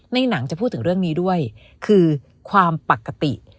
หนังจะพูดถึงเรื่องนี้ด้วยคือความปกติ